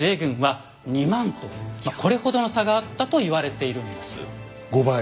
これほどの差があったと言われているんです。